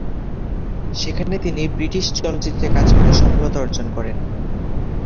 সেখানে তিনি ব্রিটিশ চলচ্চিত্রে কাজ করে সফলতা অর্জন করেন।